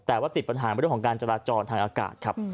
แต่ว่าติดปัญหาเรื่องของการจราจรทางอากาศครับ